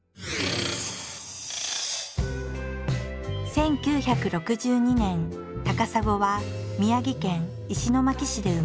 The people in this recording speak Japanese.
１９６２年高砂は宮城県石巻市で生まれた。